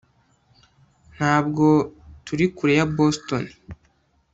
ntabwo turi kure ya boston